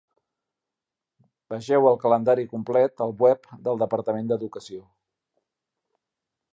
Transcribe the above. Vegeu el calendari complet al web del Departament d'Educació.